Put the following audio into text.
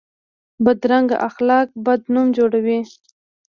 بدرنګه اخلاق بد نوم جوړوي